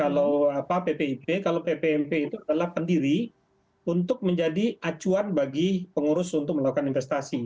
kalau ppip kalau ppmp itu adalah pendiri untuk menjadi acuan bagi pengurus untuk melakukan investasi